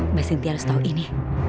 mbak sinti harus tau ini